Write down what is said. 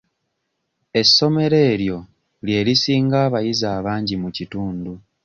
Essomero eryo lye lisinga abayizi abangi mu kitundu.